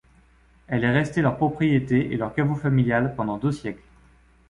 Elle est restée leur propriété et leur caveau familial pendant deux siècles.